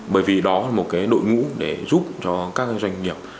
bởi vì đó là một đội ngũ để giúp cho các doanh nghiệp